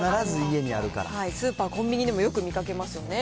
スーパー、コンビニでもよく見かけますよね。